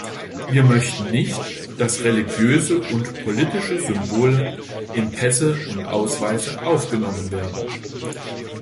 Wir möchten nicht, dass religiöse und politische Symbole in Pässe und Ausweise aufgenommen werden.